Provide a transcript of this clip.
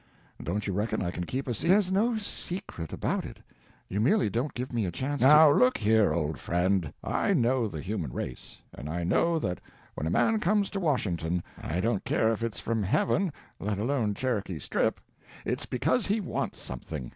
Don't you reckon I can keep a se—" "There's no secret about it—you merely don't give me a chance to—" "Now look here, old friend, I know the human race; and I know that when a man comes to Washington, I don't care if it's from heaven, let alone Cherokee Strip, it's because he wants something.